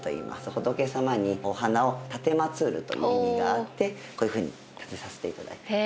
「仏様にお花を奉る」という意味があってこういうふうに立てさせて頂いています。